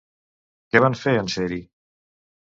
Què van fer en ser-hi?